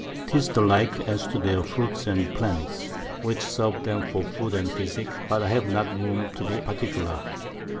'Tis the like as to their Fruits and Plants, which serve them for Food and Physick; but I have not room to be particular.